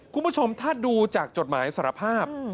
คุณผู้ชมถ้าดูจากจดหมายสารภาพ